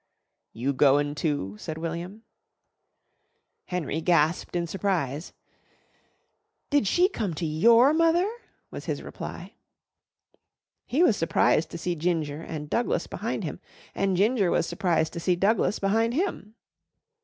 "You goin' too?" said William. Henry gasped in surprise. "Did she come to your mother?" was his reply. He was surprised to see Ginger and Douglas behind him and Ginger was surprised to see Douglas behind him.